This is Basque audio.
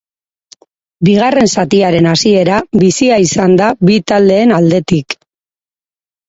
Bigarren zatiaren hasiera bizia izan da bi taldeen aldetik.